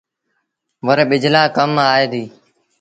وري ٻج لآ با ڪم آئي ديٚ